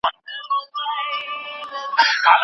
زه په نیمه شپه کي له باران سره راغلی وم